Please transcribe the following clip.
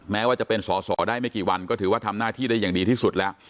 แม้ว่าจะเป็นสอสอได้ไม่กี่วันก็ถือว่าทำหน้าที่ได้อย่างดีที่สุดแล้ว